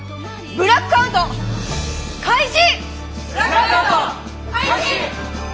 ブラックアウト開始！